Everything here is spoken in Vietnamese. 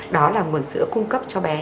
đó là nguồn sữa cung cấp cho bé